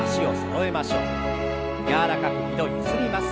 柔らかく２度ゆすります。